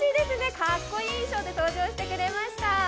かっこいい衣装で登場してくれました。